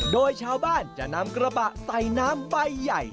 โดยชาวบ้านจะนำกระบะใส่น้ำใบใหญ่